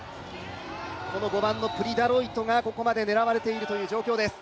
この５番のプリ・ダロイトがここまで狙われているという状況です。